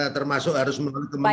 termasuk harus menurut kementerian benar